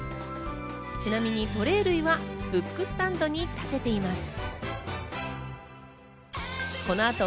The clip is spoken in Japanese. ちなみにトレイ類はブックスタンドに立てています。